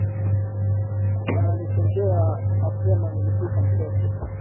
Bananichongea asema nilipika mtoto